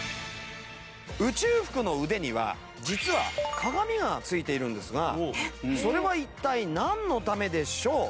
宇宙服の腕には実は鏡が付いているんですがそれは一体なんのためでしょう？